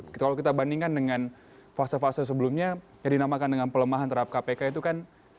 kalau kita bandingkan dengan fase fase sebelumnya yang dinamakan dengan pelemahan terhadap kpk itu kan